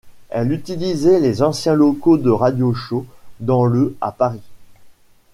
Elle utilisait les anciens locaux de Radio show, dans le à Paris.